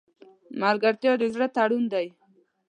ملګرتیا د زړه تړون دی.